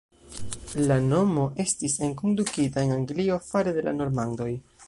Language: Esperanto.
La nomo estis enkondukita en Anglio fare de la normandoj.